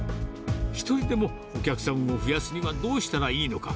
一人でもお客さんを増やすにはどうしたらいいのか。